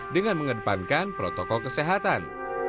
dengan mengedepankan protokol kesehatan